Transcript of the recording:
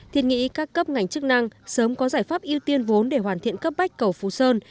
thiên nghĩ các cấp ngành chức năng sớm có giải pháp ưu tiên vốn để hoàn thiện cấp bách cầu phú sơn